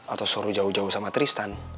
atau suruh jauh jauh sama tristan